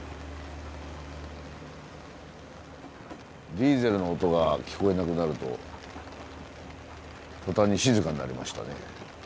ディーゼルの音が聞こえなくなると途端に静かになりましたね。